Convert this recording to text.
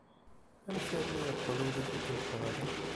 Amek armi yeqqel wul-ik akken qbala?